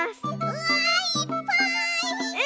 うわいっぱい！